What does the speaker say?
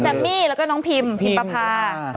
มี่แล้วก็น้องพิมพิมประพา